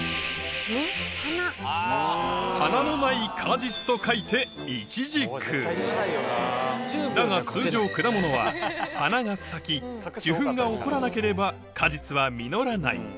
「花のない果実」と書いて無花果だが通常果物は花が咲き受粉が起こらなければ果実は実らない